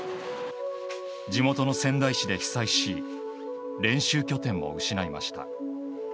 地元の仙台市で被災し練習拠点も失いました。